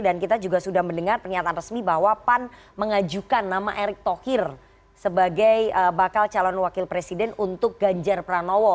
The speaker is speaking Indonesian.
dan kita juga sudah mendengar pernyataan resmi bahwa pan mengajukan nama erick thohir sebagai bakal calon wakil presiden untuk ganjar pranowo